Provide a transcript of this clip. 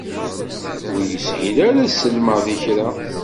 Ur yeshil ara ad sellmeɣ di kra.